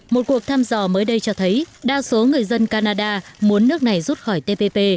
một cuộc thăm dò mới đây cho thấy đa số người dân canada muốn nước này rút khỏi tpp